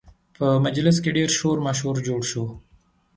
په مجلس کې ډېر شور ماشور جوړ شو